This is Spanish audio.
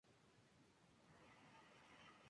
Jugado en partido único.